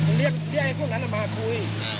วัยรุ่นเรียกพวกนั้นมาคุย